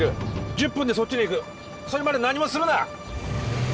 １０分でそっちに行くそれまで何もするな！